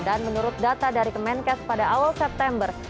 dan menurut data dari kemenkes pada awal september